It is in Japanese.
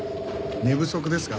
寝不足ですか？